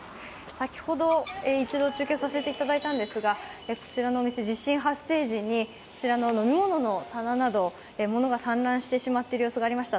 先ほど一度中継させていただいたんですが、こちらのお店、地震発生時に飲み物の棚など物が散乱してしまっている様子がありました。